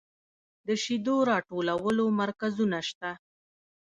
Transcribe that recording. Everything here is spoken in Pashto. د شیدو راټولولو مرکزونه شته